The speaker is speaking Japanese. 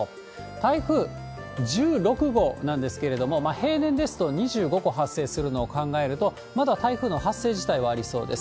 台風１６号なんですけれども、平年ですと、２５個発生するのを考えると、まだ台風の発生自体はありそうです。